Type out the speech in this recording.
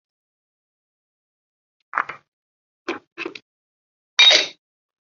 此后曾一度与精神分析研究所另一位精神分析学家弗洛姆相恋。